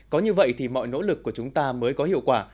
có như vậy thì mọi nỗ lực của chúng ta mới có hiệu quả